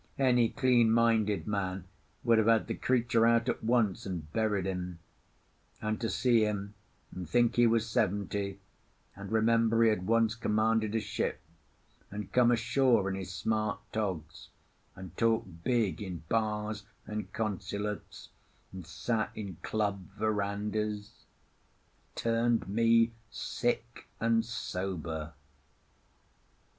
Any clean minded man would have had the creature out at once and buried him; and to see him, and think he was seventy, and remember he had once commanded a ship, and come ashore in his smart togs, and talked big in bars and consulates, and sat in club verandahs, turned me sick and sober.